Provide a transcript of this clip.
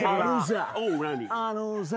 あのさ。